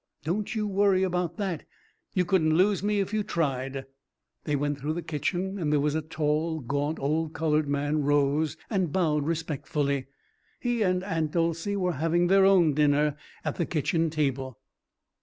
"Don't you worry about that. You couldn't lose me if you tried." They went through the kitchen, and there a tall gaunt old coloured man rose and bowed respectfully. He and Aunt Dolcey were having their own dinner at the kitchen table.